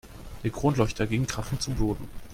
Der Kronleuchter ging krachend zu Boden.